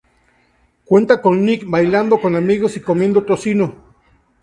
Cuenta con Nick bailando con amigos y comiendo tocino.